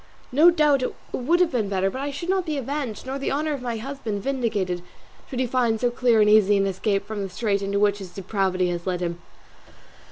No doubt it would have been better; but I should not be avenged, nor the honour of my husband vindicated, should he find so clear and easy an escape from the strait into which his depravity has led him.